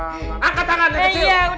angkat tangan yang kecil